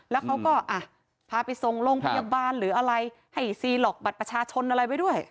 แล้วเขาก็พาไปส่งโรงพยาบาลหรืออะไรให้ซีหลอกบัตรประชาชนอะไรไว้ด้วย